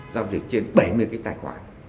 giao dịch trên bảy mươi cái tài khoản